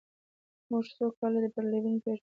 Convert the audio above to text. موږ څو کاله په برلین کې تېر کړل